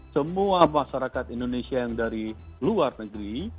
semua masyarakat indonesia yang dari luar negeri